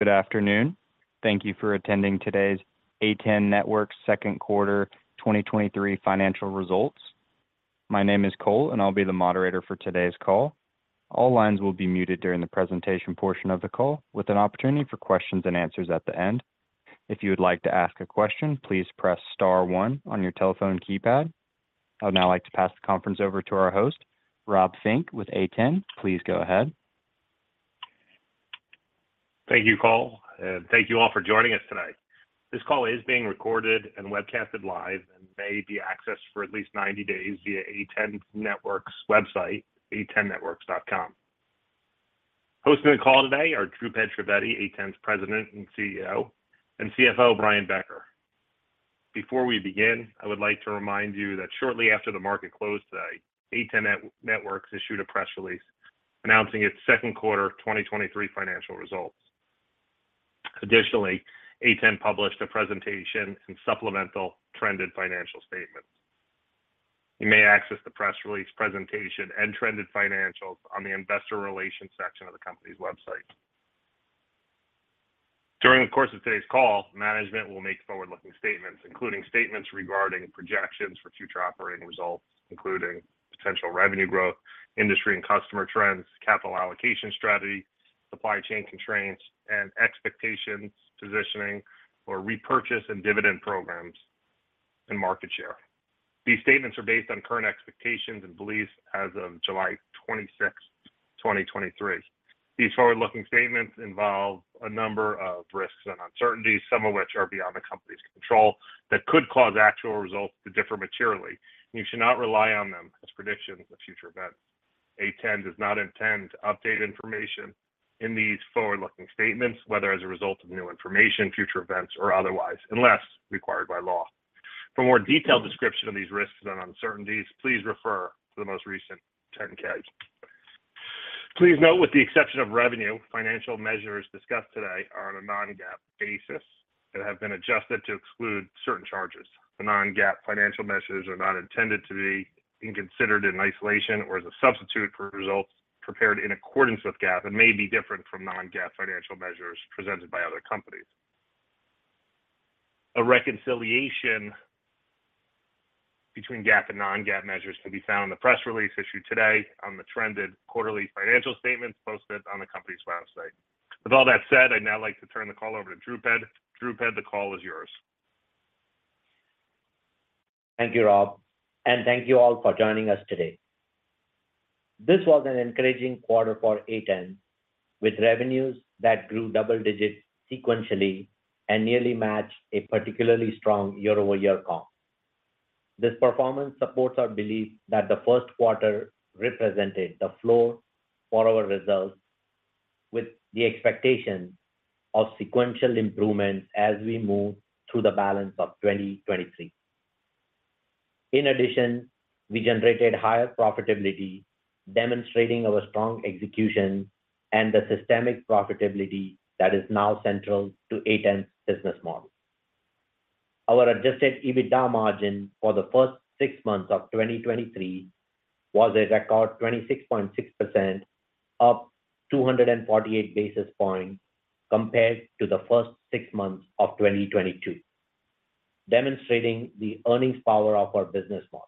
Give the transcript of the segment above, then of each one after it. Good afternoon. Thank you for attending today's A10 Networks Q2 2023 Financial Results. My name is Cole. I'll be the moderator for today's call. All lines will be muted during the presentation portion of the call, with an opportunity for questions and answers at the end. If you would like to ask a question, please press star one on your telephone keypad. I'd now like to pass the conference over to our host, Rob Fink, with A10. Please go ahead. Thank you, Cole. Thank you all for joining us tonight. This call is being recorded and webcasted live, and may be accessed for at least 90 days via A10 Networks' website, a10networks.com. Hosting the call today are Dhrupad Trivedi, A10's President and CEO, and CFO, Brian Becker. Before we begin, I would like to remind you that shortly after the market closed today, A10 Networks issued a press release announcing its Q2 2023 financial results. Additionally, A10 published a presentation and supplemental trended financial statements. You may access the press release presentation and trended financials on the investor relations section of the company's website. During the course of today's call, management will make forward-looking statements, including statements regarding projections for future operating results, including potential revenue growth, industry and customer trends, capital allocation strategy, supply chain constraints, and expectations, positioning for repurchase and dividend programs, and market share. These statements are based on current expectations and beliefs as of 26 July 2023. These forward-looking statements involve a number of risks and uncertainties, some of which are beyond the company's control, that could cause actual results to differ materially. You should not rely on them as predictions of future events. A10 does not intend to update information in these forward-looking statements, whether as a result of new information, future events, or otherwise, unless required by law. For more detailed description of these risks and uncertainties, please refer to the most recent 10-K. Please note, with the exception of revenue, financial measures discussed today are on a non-GAAP basis and have been adjusted to exclude certain charges. The non-GAAP financial measures are not intended to be considered in isolation or as a substitute for results prepared in accordance with GAAP and may be different from non-GAAP financial measures presented by other companies. A reconciliation between GAAP and non-GAAP measures can be found in the press release issued today on the trended quarterly financial statements posted on the company's website. With all that said, I'd now like to turn the call over to Dhrupad. Dhrupad, the call is yours. Thank you, Rob. Thank you all for joining us today. This was an encouraging quarter for A10, with revenues that grew double digits sequentially and nearly matched a particularly strong year-over-year comp. This performance supports our belief that the Q1 represented the floor for our results, with the expectation of sequential improvements as we move through the balance of 2023. In addition, we generated higher profitability, demonstrating our strong execution and the systemic profitability that is now central to A10's business model. Our adjusted EBITDA margin for the first six months of 2023 was a record 26.6%, up 248 basis points compared to the first six months of 2022, demonstrating the earnings power of our business model.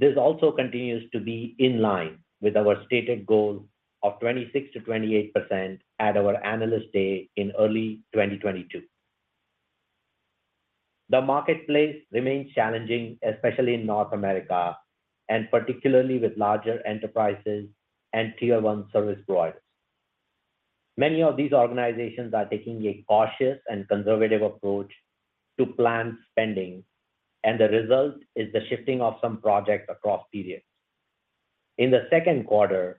This also continues to be in line with our stated goal of 26%-28% at our Analyst Day in early 2022. The marketplace remains challenging, especially in North America, and particularly with larger enterprises and tier one service providers. Many of these organizations are taking a cautious and conservative approach to planned spending. The result is the shifting of some projects across periods. In the Q2,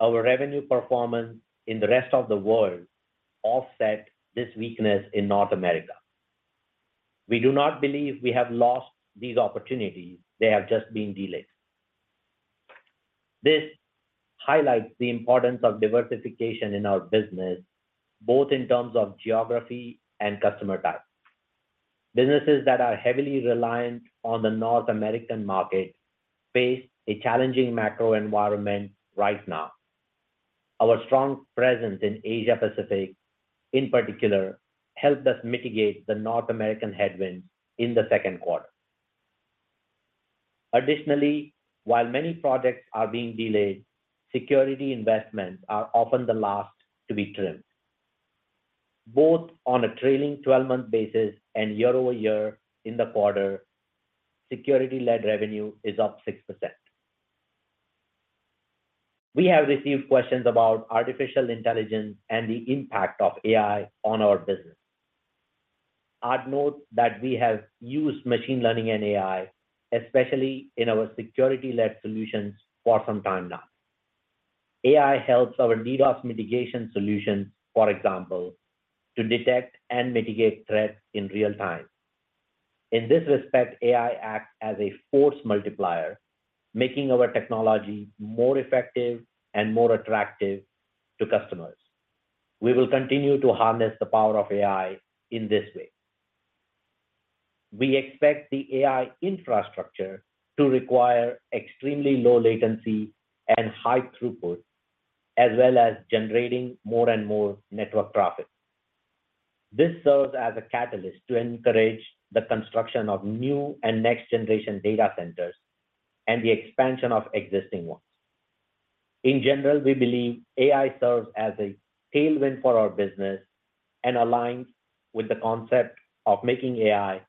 our revenue performance in the rest of the world offset this weakness in North America. We do not believe we have lost these opportunities. They have just been delayed. This highlights the importance of diversification in our business, both in terms of geography and customer type. Businesses that are heavily reliant on the North American market face a challenging macro environment right now. Our strong presence in Asia Pacific, in particular, helped us mitigate the North American headwind in the Q2. Additionally, while many projects are being delayed, security investments are often the last to be trimmed. Both on a trailing 12-month basis and year-over-year in the quarter, security-led revenue is up 6%. We have received questions about artificial intelligence and the impact of AI on our business. I'd note that we have used machine learning and AI, especially in our security-led solutions, for some time now. AI helps our DDoS mitigation solution, for example, to detect and mitigate threats in real time. In this respect, AI acts as a force multiplier, making our technology more effective and more attractive to customers. We will continue to harness the power of AI in this way. We expect the AI infrastructure to require extremely low latency and high throughput, as well as generating more and more network traffic. This serves as a catalyst to encourage the construction of new and next-generation data centers and the expansion of existing ones. In general, we believe AI serves as a tailwind for our business and aligns with the concept of making AI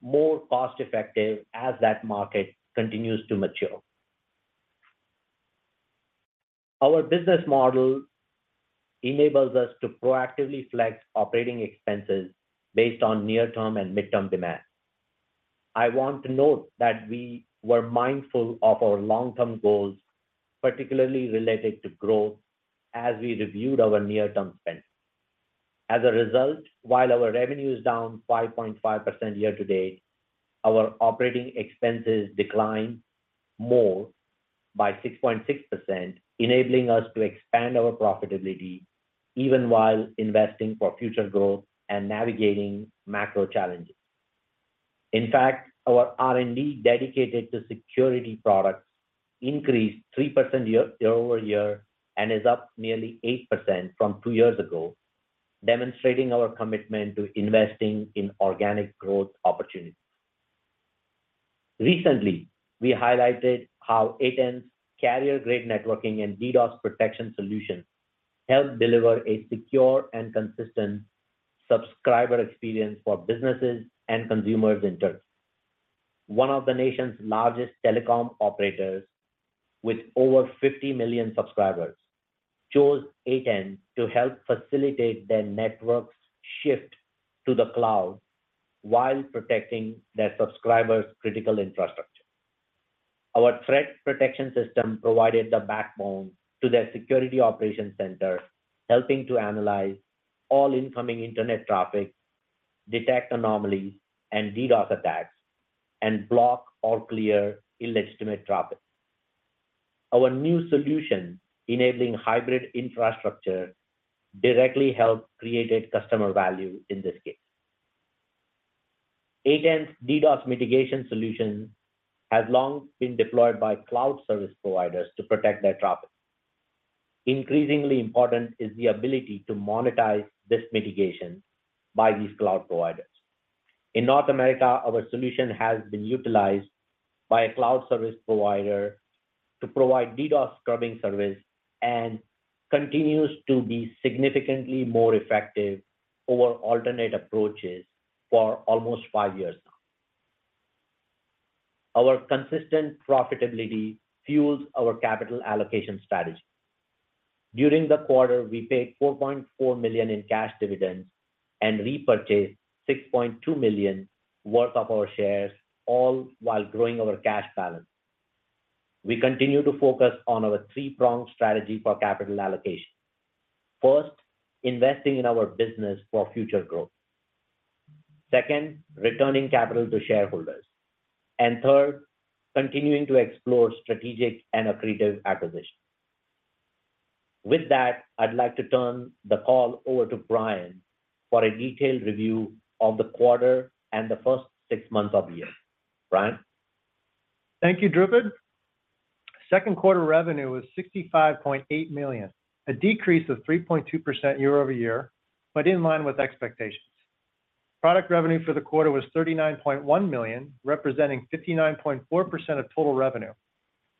more cost-effective as that market continues to mature. Our business model enables us to proactively flex operating expenses based on near-term and mid-term demand. I want to note that we were mindful of our long-term goals, particularly related to growth, as we reviewed our near-term spend. As a result, while our revenue is down 5.5% year to date, our operating expenses declined more by 6.6%, enabling us to expand our profitability even while investing for future growth and navigating macro challenges. In fact, our R&D dedicated to security products increased 3% year-over-year and is up nearly 8% from two years ago, demonstrating our commitment to investing in organic growth opportunities. Recently, we highlighted how A10's Carrier Grade networking and DDoS protection solution helped deliver a secure and consistent subscriber experience for businesses and consumers in turn. One of the nation's largest telecom operators, with over 50 million subscribers, chose A10 to help facilitate their network's shift to the cloud while protecting their subscribers' critical infrastructure. Our threat protection system provided the backbone to their security operations center, helping to analyze all incoming internet traffic, detect anomalies and DDoS attacks, and block all clear illegitimate traffic. Our new solution, enabling hybrid infrastructure, directly helped created customer value in this case. A10's DDoS mitigation solution has long been deployed by cloud service providers to protect their traffic. Increasingly important is the ability to monetize this mitigation by these cloud providers. In North America, our solution has been utilized by a cloud service provider to provide DDoS scrubbing service and continues to be significantly more effective over alternate approaches for almost five years now. Our consistent profitability fuels our capital allocation strategy. During the quarter, we paid $4.4 million in cash dividends and repurchased $6.2 million worth of our shares, all while growing our cash balance. We continue to focus on our three-pronged strategy for capital allocation. First, investing in our business for future growth. Second, returning capital to shareholders. Third, continuing to explore strategic and accretive acquisitions. With that, I'd like to turn the call over to Brian for a detailed review of the quarter and the first six months of the year. Brian? Thank you, Dhrupad. Second quarter revenue was $65.8 million, a decrease of 3.2% year-over-year, in line with expectations. Product revenue for the quarter was $39.1 million, representing 59.4% of total revenue.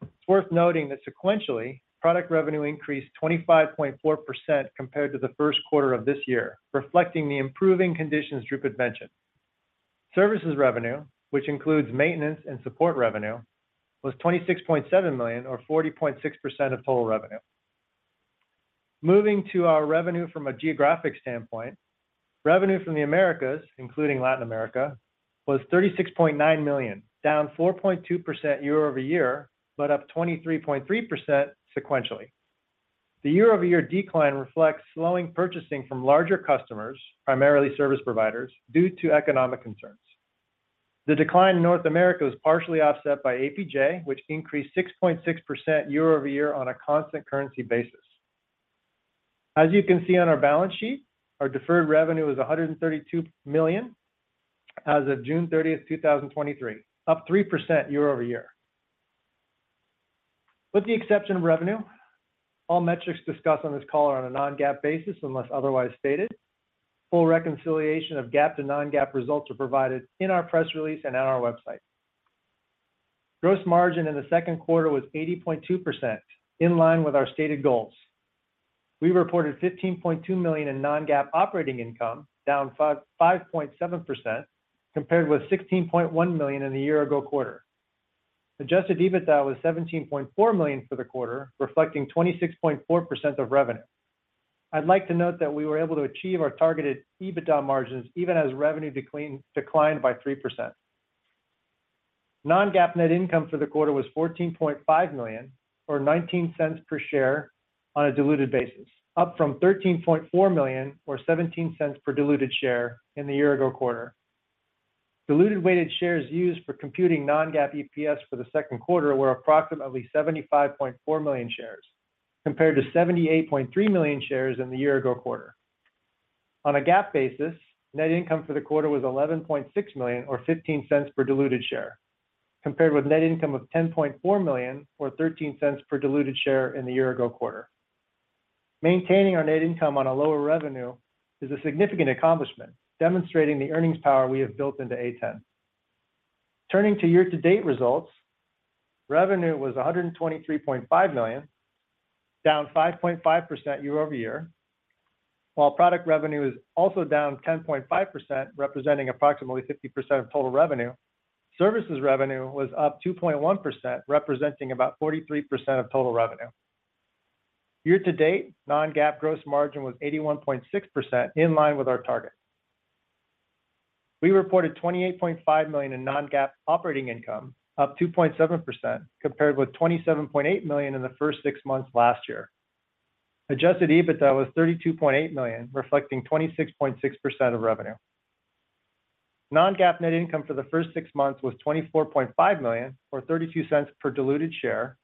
It's worth noting that sequentially, product revenue increased 25.4% compared to the Q1 of this year, reflecting the improving conditions Dhrupad mentioned. Services revenue, which includes maintenance and support revenue, was $26.7 million, or 40.6% of total revenue. Moving to our revenue from a geographic standpoint, revenue from the Americas, including Latin America, was $36.9 million, down 4.2% year-over-year, up 23.3% sequentially. The year-over-year decline reflects slowing purchasing from larger customers, primarily service providers, due to economic concerns. The decline in North America was partially offset by APJ, which increased 6.6% year-over-year on a constant currency basis. As you can see on our balance sheet, our deferred revenue was $132 million as of June 30th, 2023, up 3% year-over-year. With the exception of revenue, all metrics discussed on this call are on a non-GAAP basis unless otherwise stated. Full reconciliation of GAAP to non-GAAP results are provided in our press release and on our website. Gross margin in the Q2 was 80.2%, in line with our stated goals. We reported $15.2 million in non-GAAP operating income, down 5.7%, compared with $16.1 million in the year-ago quarter. Adjusted EBITDA was $17.4 million for the quarter, reflecting 26.4% of revenue. I'd like to note that we were able to achieve our targeted EBITDA margins even as revenue declined by 3%. Non-GAAP net income for the quarter was $14.5 million, or $0.19 per share on a diluted basis, up from $13.4 million or $0.17 per diluted share in the year-ago quarter. Diluted weighted shares used for computing non-GAAP EPS for the Q2 were approximately 75.4 million shares compared to 78.3 million shares in the year-ago quarter. On a GAAP basis, net income for the quarter was $11.6 million, or $0.15 per diluted share, compared with net income of $10.4 million, or $0.13 per diluted share in the year-ago quarter. Maintaining our net income on a lower revenue is a significant accomplishment, demonstrating the earnings power we have built into A10. Turning to year-to-date results, revenue was $123.5 million, down 5.5% year-over-year. While product revenue is also down 10.5%, representing approximately 50% of total revenue, services revenue was up 2.1%, representing about 43% of total revenue. Year-to-date, non-GAAP gross margin was 81.6%, in line with our target. We reported $28.5 million in non-GAAP operating income, up 2.7%, compared with $27.8 million in the first six months last year. Adjusted EBITDA was $32.8 million, reflecting 26.6% of revenue. Non-GAAP net income for the first six months was $24.5 million, or $0.32 per diluted share,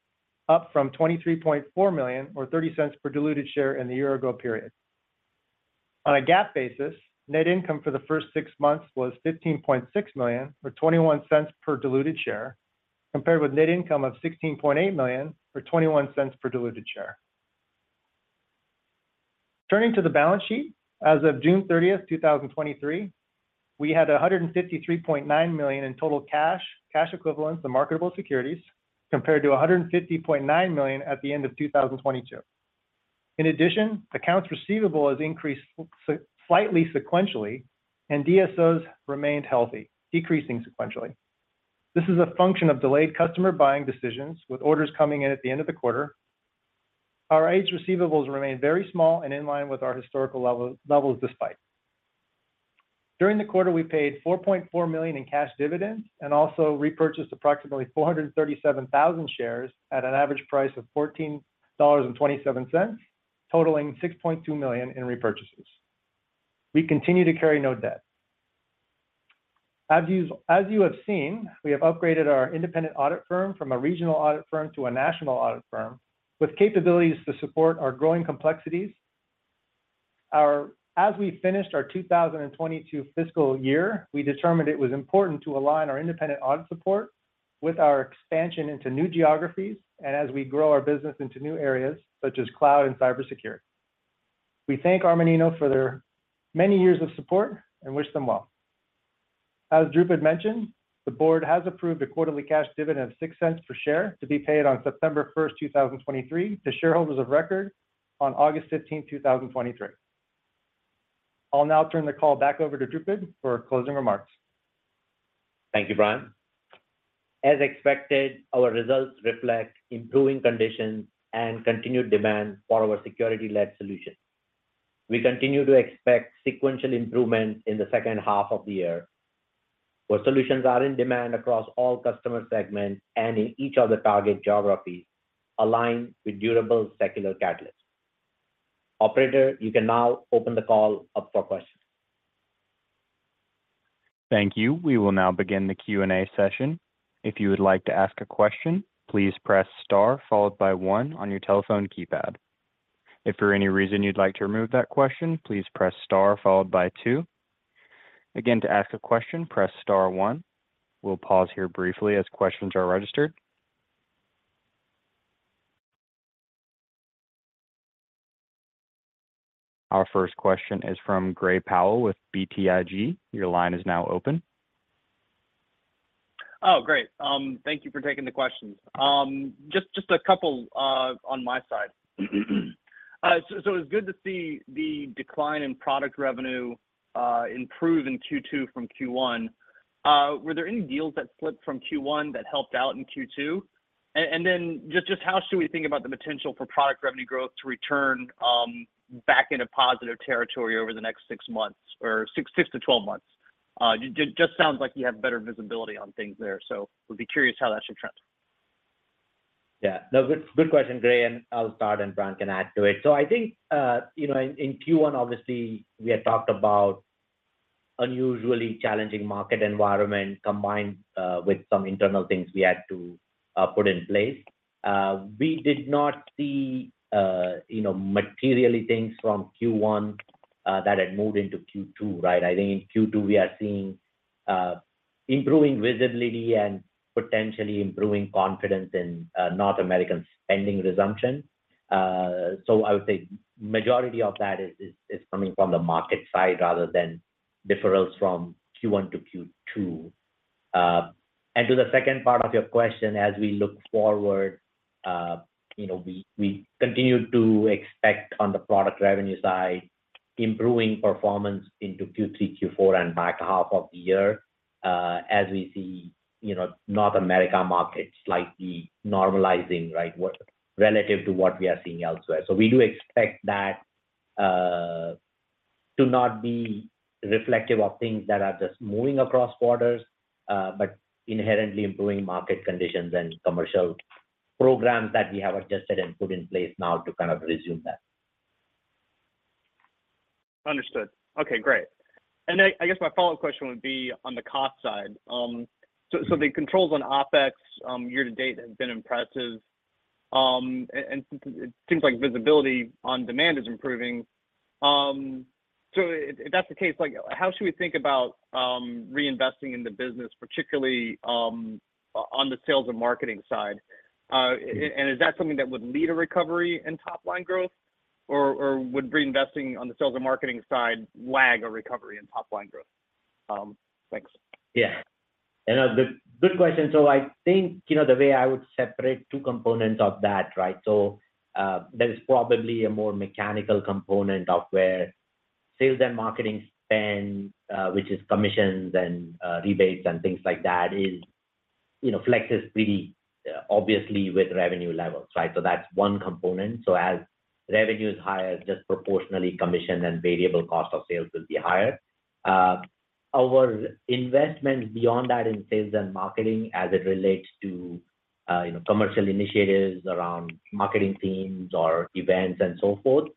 up from $23.4 million, or $0.30 per diluted share in the year-ago period. On a GAAP basis, net income for the first six months was $15.6 million, or $0.21 per diluted share, compared with net income of $16.8 million, or $0.21 per diluted share. Turning to the balance sheet, as of 30 June 2023, we had $153.9 million in total cash equivalents, and marketable securities, compared to $150.9 million at the end of 2022. In addition, accounts receivable has increased slightly sequentially, and DSOs remained healthy, decreasing sequentially. This is a function of delayed customer buying decisions, with orders coming in at the end of the quarter. Our age receivables remain very small and in line with our historical level despite. During the quarter, we paid $4.4 million in cash dividends and also repurchased approximately 437,000 shares at an average price of $14.27, totaling $6.2 million in repurchases. We continue to carry no debt. As you have seen, we have upgraded our independent audit firm from a regional audit firm to a national audit firm with capabilities to support our growing complexities. As we finished our 2022 fiscal year, we determined it was important to align our independent audit support with our expansion into new geographies and as we grow our business into new areas such as cloud and cybersecurity. We thank Armanino for their many years of support and wish them well. As Dhrupad mentioned, the board has approved a quarterly cash dividend of $0.06 per share to be paid on 1 September 2023, to shareholders of record on 15 August 2023. I'll now turn the call back over to Dhrupad for closing remarks. Thank you, Brian. As expected, our results reflect improving conditions and continued demand for our security-led solutions. We continue to expect sequential improvements in the second half of the year, where solutions are in demand across all customer segments and in each of the target geographies aligned with durable secular catalysts. Operator, you can now open the call up for questions. Thank you. We will now begin the Q&A session. If you would like to ask a question, please press star followed by one on your telephone keypad. If for any reason you'd like to remove that question, please press star followed by two. Again, to ask a question, press star one. We'll pause here briefly as questions are registered. Our first question is from Gray Powell with BTIG. Your line is now open. Oh, great. Thank you for taking the questions. Just a couple on my side. It was good to see the decline in product revenue improve in Q2 from Q1. Were there any deals that slipped from Q1 that helped out in Q2? Then just how should we think about the potential for product revenue growth to return back into positive territory over the next six months or six to 12 months? It just sounds like you have better visibility on things there, so we'll be curious how that should trend. Yeah. No, good question, Gray, and I'll start, and Brian can add to it. I think, you know, in Q1, obviously, we had talked about unusually challenging market environment combined with some internal things we had to put in place. We did not see, you know, materially things from Q1 that had moved into Q2, right? I think in Q2, we are seeing improving visibility and potentially improving confidence in North American spending resumption. I would say majority of that is coming from the market side rather than deferrals from Q1 to Q2. To the second part of your question, as we look forward, you know, we continue to expect on the product revenue side, improving performance into Q3, Q4, and back half of the year, as we see, you know, North America market slightly normalizing, right? Relative to what we are seeing elsewhere. We do expect that to not be reflective of things that are just moving across borders, but inherently improving market conditions and commercial programs that we have adjusted and put in place now to kind of resume that. Understood. Okay, great. Then I guess my follow-up question would be on the cost side. The controls on OpEx year to date have been impressive. It seems like visibility on demand is improving. If that's the case, like, how should we think about reinvesting in the business, particularly on the sales and marketing side? Is that something that would lead a recovery in top-line growth, or would reinvesting on the sales and marketing side lag a recovery in top-line growth? Thanks. Yeah. A good question. I think, you know, the way I would separate two components of that, right? There is probably a more mechanical component of where sales and marketing spend, which is commissions and rebates, and things like that, is, you know, flexes pretty obviously with revenue levels, right? That's one component. As revenue is higher, just proportionally commission and variable cost of sales will be higher. Our investment beyond that in sales and marketing as it relates to, you know, commercial initiatives around marketing themes or events and so forth,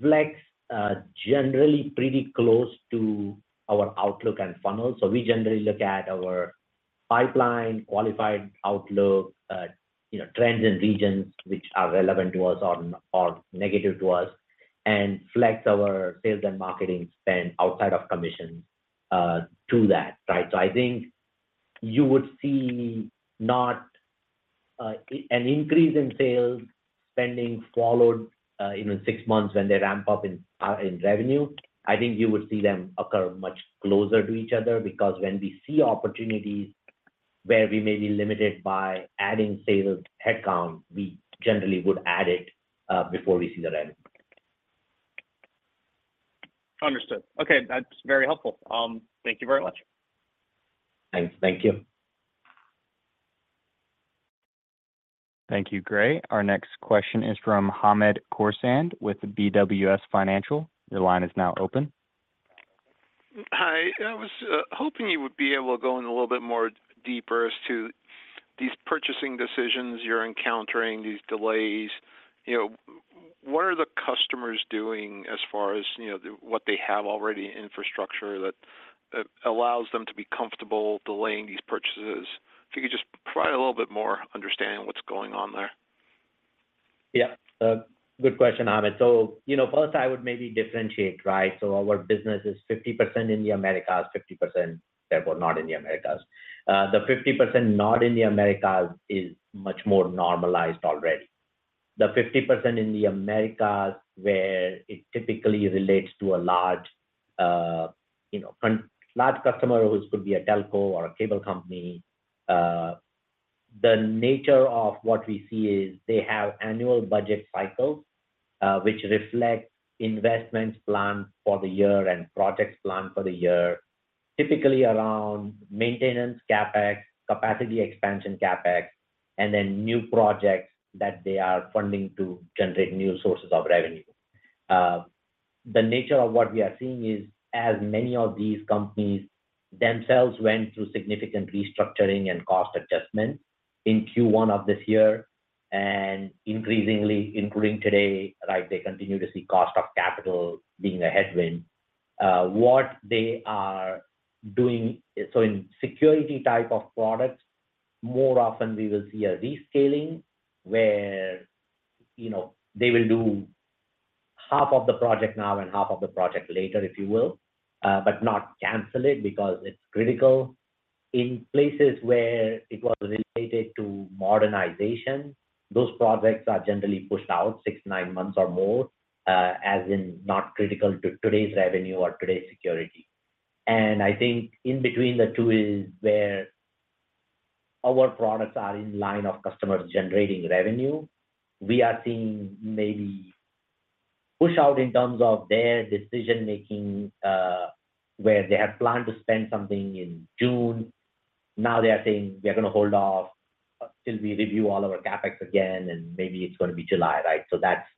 flex generally pretty close to our outlook and funnel. We generally look at our pipeline, qualified outlook, you know, trends and regions which are relevant to us or negative to us, and flex our sales and marketing spend outside of commissions, to that, right? I think you would see not an increase in sales spending followed, you know, six months when they ramp up in revenue. I think you would see them occur much closer to each other, because when we see opportunities where we may be limited by adding sales headcount, we generally would add it before we see the revenue. Understood. Okay, that's very helpful. Thank you very much. Thanks. Thank you. Thank you, Gray. Our next question is from Hamed Khorsand with BWS Financial. Your line is now open. Hi. I was hoping you would be able to go in a little bit more deeper as to these purchasing decisions you're encountering, these delays. You know, what are the customers doing as far as, you know, what they have already in infrastructure that allows them to be comfortable delaying these purchases? If you could just provide a little bit more understanding of what's going on there. Yeah. good question, Hamed. you know, first I would maybe differentiate, right? our business is 50% in the Americas, 50% therefore not in the Americas. the 50% not in the Americas is much more normalized already. The 50% in the Americas, where it typically relates to a large, you know, large customer who could be a telco or a cable company, the nature of what we see is they have annual budget cycles, which reflect investments planned for the year and projects planned for the year, typically around maintenance, CapEx, capacity expansion CapEx, and then new projects that they are funding to generate new sources of revenue. The nature of what we are seeing is, as many of these companies themselves went through significant restructuring and cost adjustments in Q1 of this year, and increasingly including today, right, they continue to see cost of capital being a headwind. What they are doing. In security type of products, more often we will see a rescaling where, you know, they will do half of the project now and half of the project later, if you will, but not cancel it because it's critical. In places where it was related to modernization, those projects are generally pushed out six, nine months or more, as in not critical to today's revenue or today's security. I think in between the two is where our products are in line of customers generating revenue. We are seeing maybe push out in terms of their decision-making, where they had planned to spend something in June, now they are saying, "We are gonna hold off until we review all our CapEx again, and maybe it's gonna be July," right? That's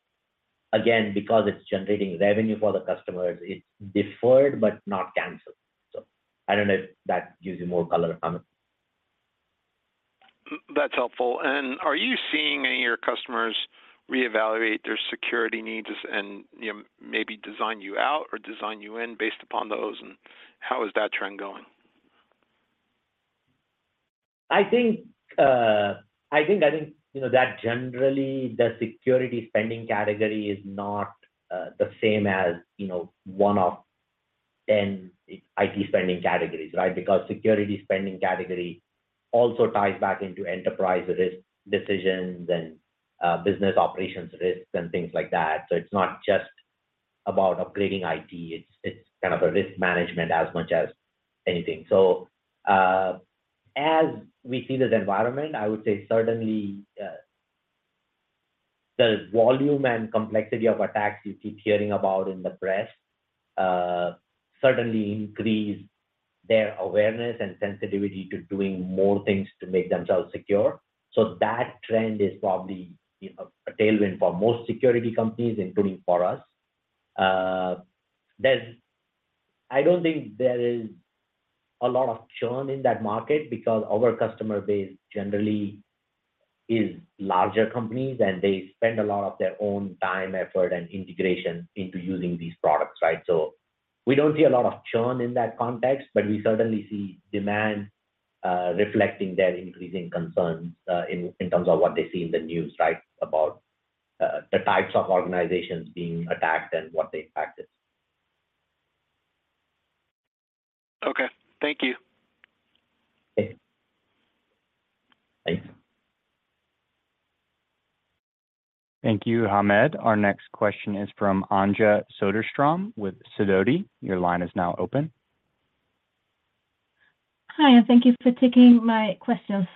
again, because it's generating revenue for the customers, it's deferred but not canceled. I don't know if that gives you more color, Hamed. That's helpful. Are you seeing any of your customers reevaluate their security needs and, you know, maybe design you out or design you in based upon those? How is that trend going? I think, you know, that generally the security spending category is not, the same as, you know, one of 10 IT spending categories, right? Because security spending category also ties back into enterprise risk decisions and, business operations risks and things like that. It's not just about upgrading IT, it's kind of a risk management as much as anything. As we see this environment, I would say certainly, the volume and complexity of attacks you keep hearing about in the press, certainly increase their awareness and sensitivity to doing more things to make themselves secure. That trend is probably, you know, a tailwind for most security companies, including for us. There's... I don't think there is a lot of churn in that market because our customer base generally is larger companies, and they spend a lot of their own time, effort, and integration into using these products, right? We don't see a lot of churn in that context, but we certainly see demand, reflecting their increasing concerns, in terms of what they see in the news, right, about the types of organizations being attacked and what the impact is. Okay. Thank you. Okay. Thanks. Thank you, Hamed. Our next question is from Anja Soderstrom with Sidoti. Your line is now open. Hi, and thank you for taking my question.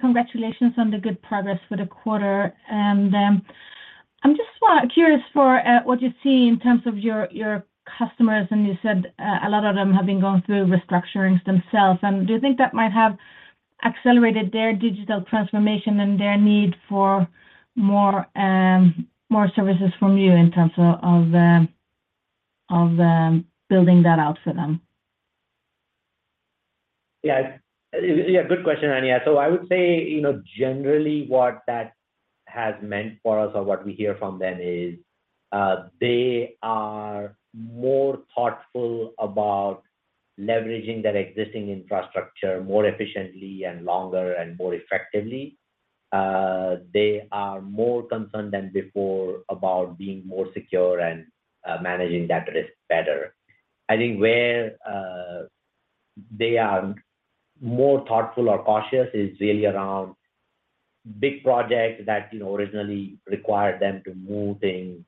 Congratulations on the good progress for the quarter. I'm just curious for what you see in terms of your customers, and you said a lot of them have been going through restructurings themselves. Do you think that might have accelerated their digital transformation and their need for more services from you in terms of building that out for them? Yeah. Yeah, good question, Anja. I would say, you know, generally, what that has meant for us or what we hear from them is, they are more thoughtful about leveraging their existing infrastructure more efficiently, and longer, and more effectively. They are more concerned than before about being more secure and managing that risk better. I think where they are more thoughtful or cautious is really around big projects that, you know, originally required them to move things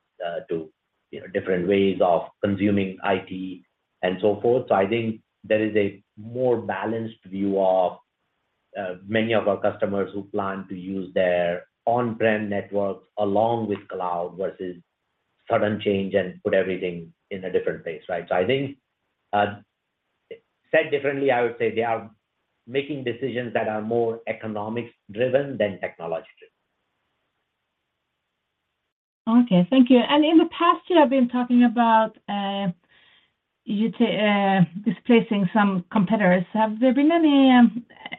to, you know, different ways of consuming IT and so forth. I think there is a more balanced view of many of our customers who plan to use their on-prem networks along with cloud, versus sudden change and put everything in a different place, right? I think, said differently, I would say they are making decisions that are more economics driven than technology driven. Okay, thank you. In the past year, I've been talking about displacing some competitors. Have there been any,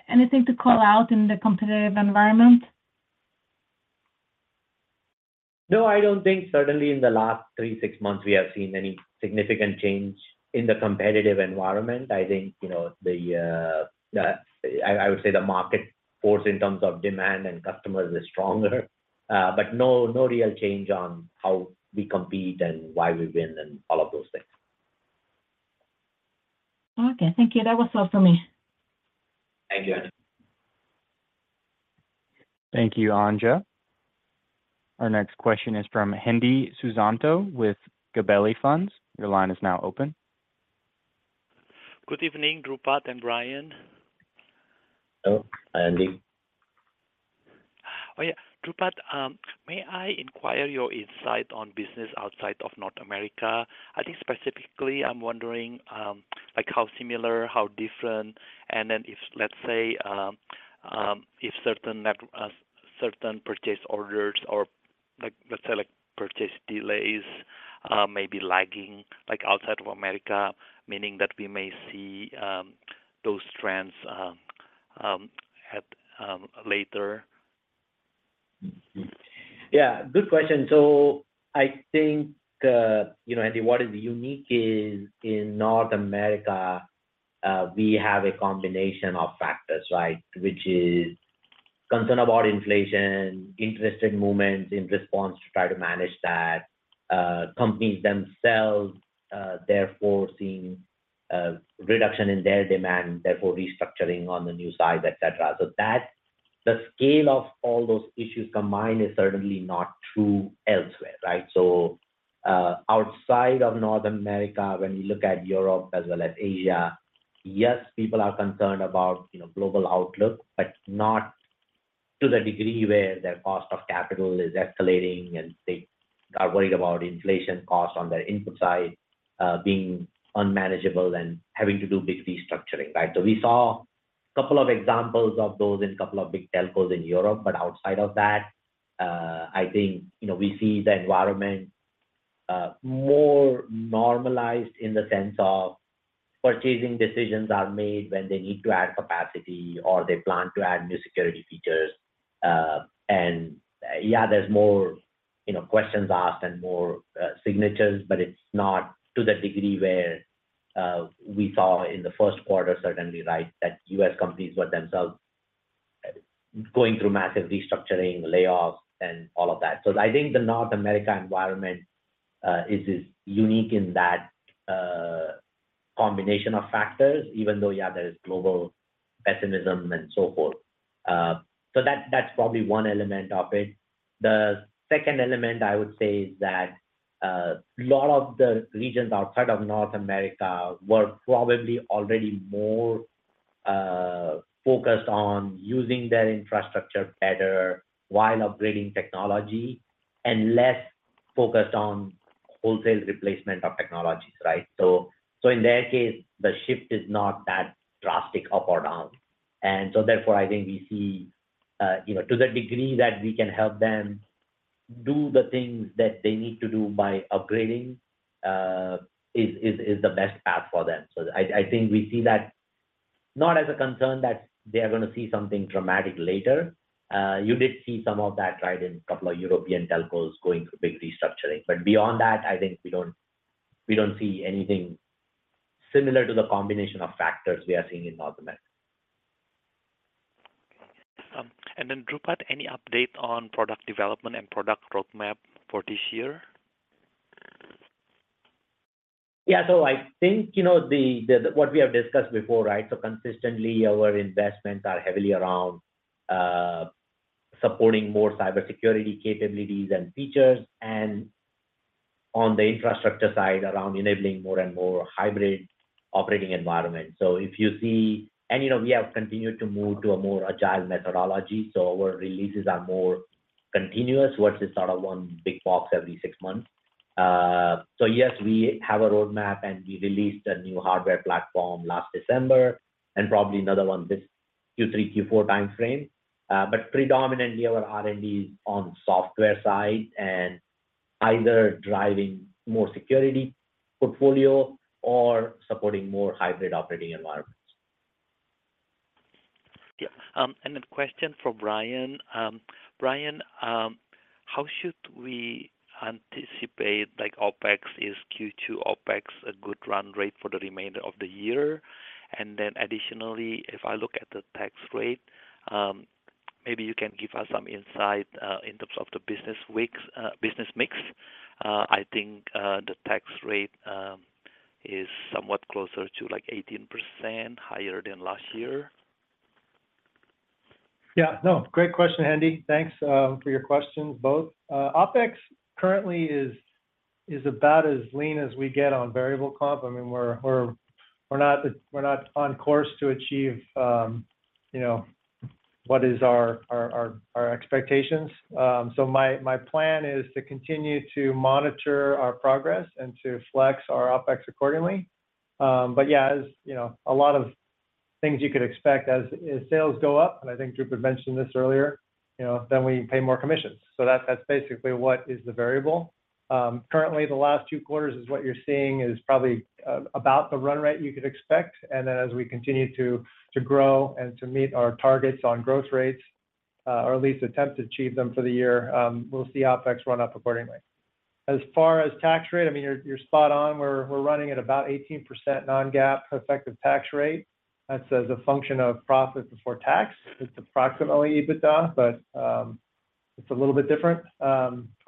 anything to call out in the competitive environment? I don't think certainly in the last three, six months, we have seen any significant change in the competitive environment. I think, you know, I would say the market force in terms of demand and customers is stronger. No real change on how we compete and why we win, and all of those things. Okay, thank you. That was all for me. Thank you, Anja. Thank you, Anja. Our next question is from Hendi Susanto with Gabelli Funds. Your line is now open. Good evening, Dhrupad and Brian. Hello, Hendi. Oh, yeah. Dhrupad, may I inquire your insight on business outside of North America? I think specifically I'm wondering, like, how similar, how different, and then if, let's say, if certain purchase orders or like, let's say, purchase delays, may be lagging, like, outside of America, meaning that we may see those trends later? Yeah, good question. I think, you know, Hendi Susanto, what is unique is in North America, we have a combination of factors, right? Which is concern about inflation, interesting movements in response to try to manage that, companies themselves, therefore, seeing a reduction in their demand, therefore restructuring on the new side, et cetera. That, the scale of all those issues combined is certainly not true elsewhere, right? Outside of North America, when you look at Europe as well as Asia, yes, people are concerned about, you know, global outlook, but not to the degree where their cost of capital is escalating, and they are worried about inflation costs on their input side, being unmanageable and having to do big restructuring, right? We saw a couple of examples of those in a couple of big telcos in Europe. Outside of that, I think, you know, we see the environment, more normalized in the sense of purchasing decisions are made when they need to add capacity or they plan to add new security features. Yeah, there's more, you know, questions asked and more, signatures, but it's not to the degree where, we saw in the Q1, certainly, right, that U.S. companies were themselves, going through massive restructuring, layoffs, and all of that. I think the North America environment, is unique in that, combination of factors, even though, yeah, there is global pessimism and so forth. That's probably one element of it. The second element, I would say, is that a lot of the regions outside of North America were probably already more focused on using their infrastructure better while upgrading technology, and less focused on wholesale replacement of technologies, right? In their case, the shift is not that drastic up or down. Therefore, I think we see, you know, to the degree that we can help them do the things that they need to do by upgrading, is the best path for them. I think we see that not as a concern that they are gonna see something dramatic later. You did see some of that, right, in a couple of European telcos going through big restructuring. Beyond that, I think we don't see anything similar to the combination of factors we are seeing in North America. Dhrupad, any update on product development and product roadmap for this year? I think, you know, what we have discussed before, right. Consistently, our investments are heavily around supporting more cybersecurity capabilities and features, and on the infrastructure side, around enabling more and more hybrid operating environment. You know, we have continued to move to a more agile methodology, our releases are more continuous versus sort of one big box every six months. Yes, we have a roadmap, and we released a new hardware platform last December, and probably another one this Q3, Q4 timeframe. Predominantly, our R&D is on software side and either driving more security portfolio or supporting more hybrid operating environments. Yeah. Question for Brian. Brian, how should we anticipate, like, OpEx, is Q2 OpEx a good run rate for the remainder of the year? Additionally, if I look at the tax rate, maybe you can give us some insight in terms of the business mix. I think the tax rate is somewhat closer to, like, 18% higher than last year. Yeah. No, great question, Hendi. Thanks for your questions, both. OpEx currently is about as lean as we get on variable comp. I mean, we're not on course to achieve, you know, what is our expectations. My plan is to continue to monitor our progress and to flex our OpEx accordingly. Yeah, as you know, a lot of things you could expect as sales go up, and I think Dhrupad mentioned this earlier, you know, then we pay more commissions. That's basically what is the variable. Currently, the last two quarters is what you're seeing is probably about the run rate you could expect. As we continue to grow and to meet our targets on growth rates, or at least attempt to achieve them for the year, we'll see OpEx run up accordingly. As far as tax rate, I mean, you're spot on. We're running at about 18% non-GAAP effective tax rate. That's as a function of profits before tax. It's approximately EBITDA, but it's a little bit different.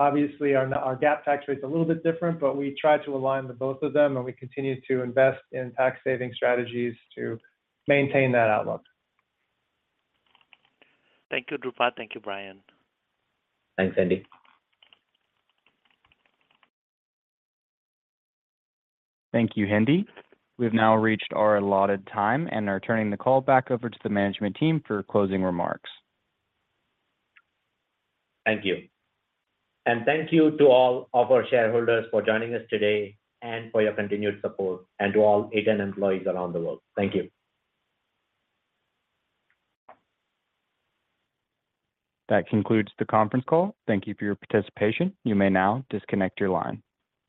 Obviously, our GAAP tax rate is a little bit different, but we try to align the both of them, and we continue to invest in tax saving strategies to maintain that outlook. Thank you, Dhrupad. Thank you, Brian. Thanks, Hendi. Thank you, Hendi. We've now reached our allotted time and are turning the call back over to the management team for closing remarks. Thank you. Thank you to all of our shareholders for joining us today and for your continued support, and to all A10 employees around the world. Thank you. That concludes the conference call. Thank you for your participation. You may now disconnect your line.